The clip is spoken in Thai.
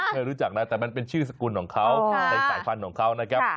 ไม่รู้จักนะแต่มันเป็นชื่อสกุลของเขาในสายพันธุ์ของเขานะครับ